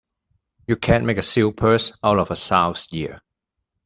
You can't make a silk purse out of a sow's ear.